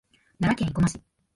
奈良県生駒市